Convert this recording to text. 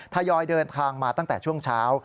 ทยอยเดินทางมาตั้งแต่ช่วงเช้า